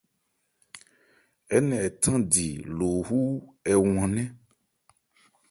Ɛɛ́ nɛn ɛ thándi lo wú hɛ hwannɛ́n.